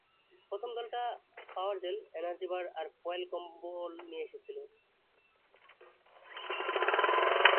প্রথম দলটা পাওয়ার জেল, এনার্জি বার আর ফয়েল কম্বল নিয়ে এসেছিল।